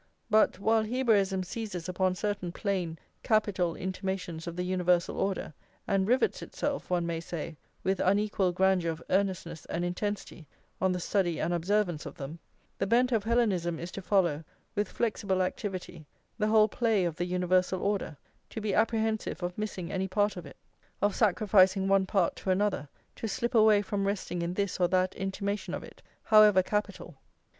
But, while Hebraism seizes upon certain plain, capital intimations of the universal order, and rivets itself, one may say, with unequalled grandeur of earnestness and intensity on the study and observance of them, the bent of Hellenism is to follow, with flexible activity, the whole play of the universal order, to be apprehensive of missing any part of it, of sacrificing one part to another, to slip away from resting in this or that intimation of it, however capital.